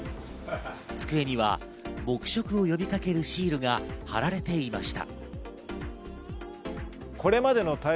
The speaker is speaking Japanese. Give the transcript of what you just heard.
机には黙食を呼びかけるシールが貼られていました。